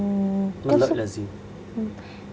mặt lợi là gì